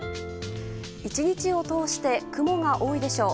１日を通して雲が多いでしょう。